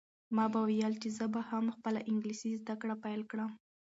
ما به ویل چې زه به هم خپله انګلیسي زده کړه پیل کړم.